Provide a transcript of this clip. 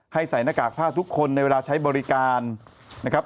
ใส่หน้ากากผ้าทุกคนในเวลาใช้บริการนะครับ